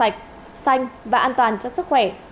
chọn loại xe